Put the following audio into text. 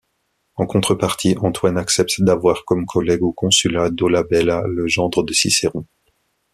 En contrepartie, Antoine accepte d’avoir comme collègue au consulat Dolabella, le gendre de Cicéron.